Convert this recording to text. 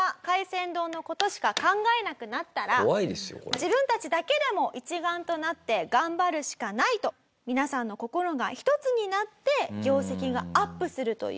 自分たちだけでも一丸となって頑張るしかないと皆さんの心が一つになって業績がアップするという。